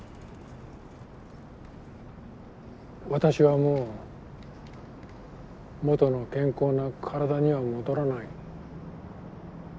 私はもう元の健康な体には戻らない。